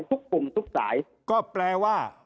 ทุกกลุ่มทุกสายก็แปลว่า